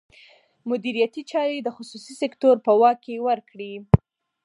مدیریتي چارې د خصوصي سکتور په واک کې ورکړي.